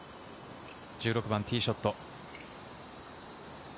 １６番ティーショット。